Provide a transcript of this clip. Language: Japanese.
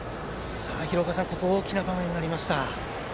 廣岡さん、ここは大きな場面になりました。